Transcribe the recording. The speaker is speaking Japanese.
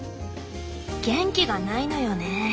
元気がないのよね。